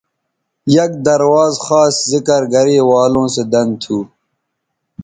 یک درواز خاص ذکر گرےوالوں سو دن تھو